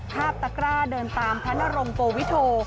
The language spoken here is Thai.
ภาพตะกร้าเดินตามพระนรงโกวิโท